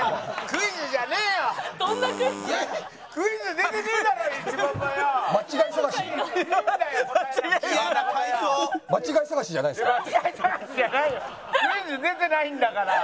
クイズ出てないんだから。